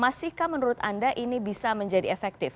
masihkah menurut anda ini bisa menjadi efektif